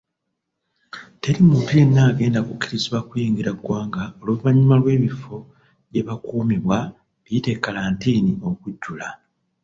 Teri muntu yenna agenda kukkirizibwa kuyingira ggwanga oluvannyuma lw'ebifo gyebakuumibwa biyite kalantiini okujjula.